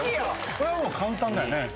これは簡単だよね。